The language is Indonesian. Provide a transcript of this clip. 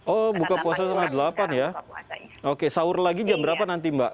oh buka puasa setengah delapan ya oke sahur lagi jam berapa nanti mbak